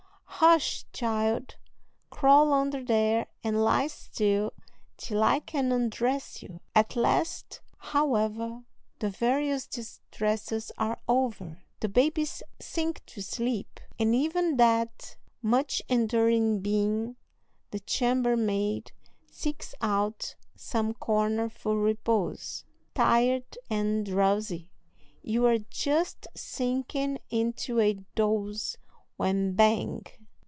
"Hush, child; crawl under there and lie still till I can undress you." At last, however, the various distresses are over, the babies sink to sleep, and even that much enduring being, the chambermaid, seeks out some corner for repose. Tired and drowsy, you are just sinking into a doze, when bang!